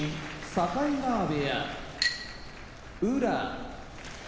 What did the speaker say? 境川部屋宇良